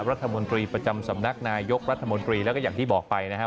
รัฐมนตรีประจำสำนักนายกรัฐมนตรีแล้วก็อย่างที่บอกไปนะครับ